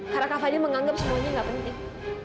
karena kak fadil menganggap semuanya enggak penting